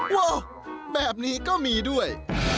ว้าวแบบนี้ก็มีด้วย